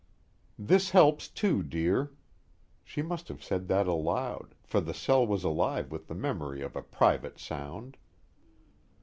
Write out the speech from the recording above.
"This helps too, dear." She must have said that aloud, for the cell was alive with the memory of a private sound.